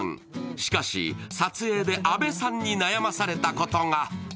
しかし、撮影で阿部さんに悩まされたことが。